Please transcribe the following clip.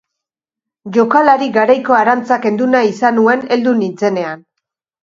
Jokalari garaiko arantza kendu nahi izan nuen heldu nintzenean.